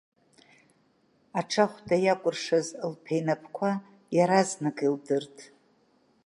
Аҽахәда иакәыршаз лԥа инапқәа иаразак илдырт.